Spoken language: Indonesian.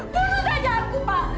bunuh saja aku pak